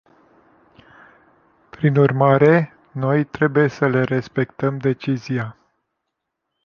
Prin urmare, noi trebuie să le respectăm decizia.